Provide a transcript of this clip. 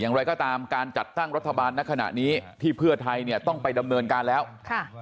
อย่างไรก็ตามการจัดตั้งรัฐบาลในขณะนี้ที่เพื่อไทยเนี่ยต้องไปดำเนินการแล้วค่ะ